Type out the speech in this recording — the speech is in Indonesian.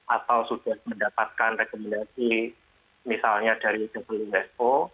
atau sudah mendapatkan rekomendasi misalnya dari jepun unesco